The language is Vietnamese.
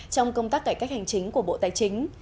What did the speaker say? trong công tác cải cách hành chính của bộ tài chính